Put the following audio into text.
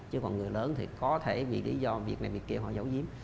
chứ còn người lớn thì có thể vì lý do việc này việc kẻ họ giấu giếm